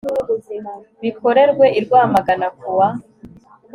bikorewe i rwamagana kuwa